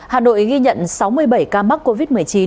hà nội ghi nhận sáu mươi bảy ca mắc covid một mươi chín